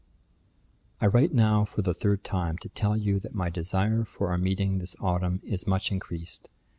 'I write now for the third time, to tell you that my desire for our meeting this autumn, is much increased.